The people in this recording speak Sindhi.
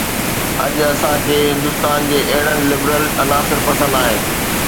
اڄ اسان کي هندستان جي اهڙن لبرل عناصر پسند آهن